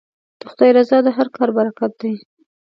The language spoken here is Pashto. د خدای رضا د هر کار برکت دی.